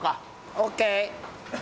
ＯＫ！